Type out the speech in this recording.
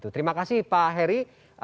terima kasih pak heri